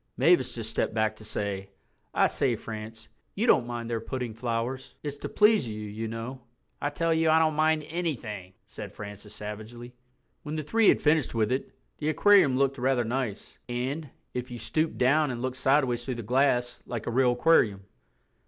Mavis just stepped back to say, "I say, France, you don't mind their putting flowers? It's to please you, you know." "I tell you I don't mind anything," said Francis savagely. When the three had finished with it, the aquarium really looked rather nice, and, if you stooped down and looked sideways through the glass, like a real aquarium.